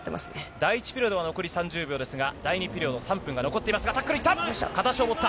第１ピリオドは残り３０秒ですが、第２ピリオド３分が残っていますが、タックルいった。